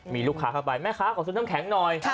มีลูกค้าเข้าไปแม่ค้าขอซื้อน้ำแข็งหน่อย